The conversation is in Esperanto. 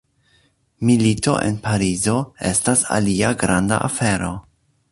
Milito en Parizo estas alia granda afero.